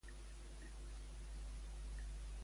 A què feia referència Tian al principi?